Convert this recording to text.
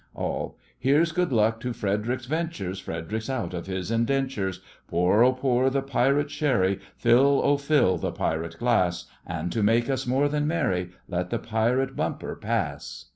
ALL: Here's good luck to Fred'ric's ventures! Fred'ric's out of his indentures. Pour, O pour the pirate sherry; Fill, O fill the pirate glass; And, to make us more than merry Let the pirate bumper pass.